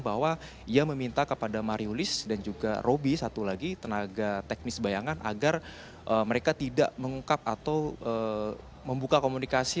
bahwa ia meminta kepada mariulis dan juga roby satu lagi tenaga teknis bayangan agar mereka tidak mengungkap atau membuka komunikasi